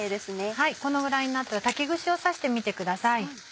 このぐらいになったら竹串を刺してみてください。